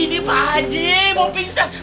ini pak haji mau pingsan